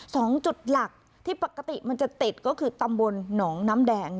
สองจุดหลักที่ปกติมันจะติดก็คือตำบลหนองน้ำแดง